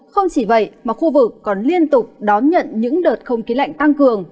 không chỉ vậy mà khu vực còn liên tục đón nhận những đợt không khí lạnh tăng cường